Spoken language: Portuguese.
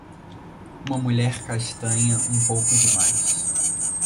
Uma mulher castanha, um pouco demais.